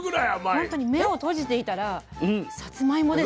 ほんとに目を閉じていたらさつまいもですね。